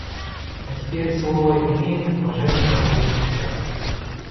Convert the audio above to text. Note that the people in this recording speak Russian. А теперь слово имеет уважаемый посол Швейцарии.